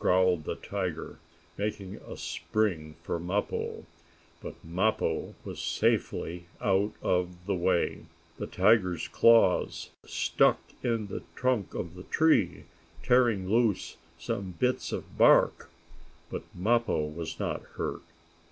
growled the tiger, making a spring for Mappo. But Mappo was safely out of the way. The tiger's claws stuck in the trunk of the tree, tearing loose some bits of bark, but Mappo was not hurt.